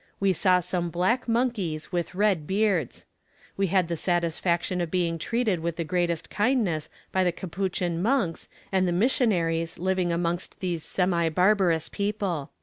We saw some black monkeys with red beards. We had the satisfaction of being treated with the greatest kindness by the Capuchin monks and the missionaries living amongst these semi barbarous people."